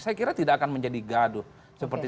saya kira tidak akan menjadi gaduh seperti